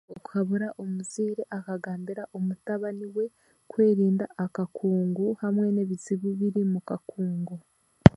Okuhabura omuziire akagambira omutabaani we kwerinda akakungu hamwe n'ebizibu ebiri omu kakungu.